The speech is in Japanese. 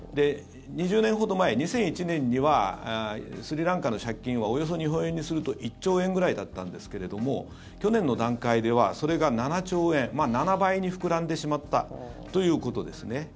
２０年ほど前、２００１年にはスリランカの借金はおよそ日本円にすると１兆円ぐらいだったんですけども去年の段階ではそれが７兆円７倍に膨らんでしまったということですね。